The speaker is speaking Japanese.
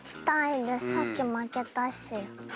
さっき負けたし。